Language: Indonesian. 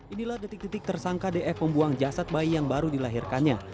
inilah detik detik tersangka df membuang jasad bayi yang baru dilahirkannya